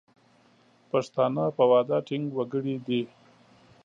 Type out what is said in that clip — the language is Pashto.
پښتانه په وعده ټینګ وګړي دي.